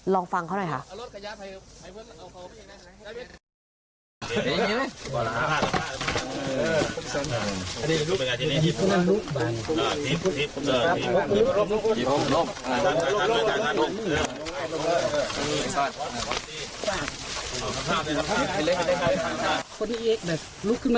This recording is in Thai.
ลองฟังเขาหน่อยค่ะ